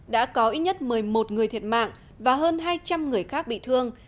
đã có ít nhất một mươi một người thiệt mạng và hơn hai trăm linh người khác bị thương